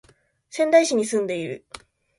仙台市に住んでいる